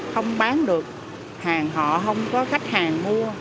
không bán được hàng họ không có khách hàng mua